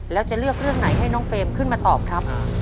แล้วจะเลือกเรื่องไหนให้น้องเฟรมขึ้นมาตอบครับ